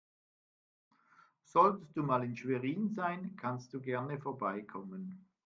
Solltest du mal in Schwerin sein, kannst du gerne vorbeikommen.